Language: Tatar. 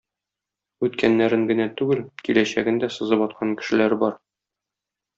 Үткәннәрен генә түгел киләчәген дә сызып аткан кешеләр бар.